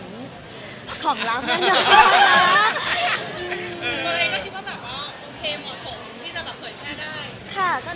ตอนนี้ก็คิดว่าแหมาะสมที่จะแบบแหน่ง